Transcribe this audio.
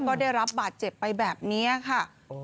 ก็ได้รับบาดเจ็บไปแบบนี้ค่ะ